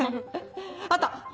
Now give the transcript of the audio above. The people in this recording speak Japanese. あった！